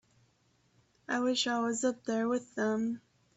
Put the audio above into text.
I wish I was up there with them.